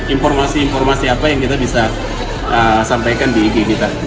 informasi informasi apa yang kita bisa sampaikan di ig kita